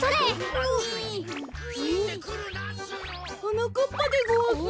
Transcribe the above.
はなかっぱでごわす。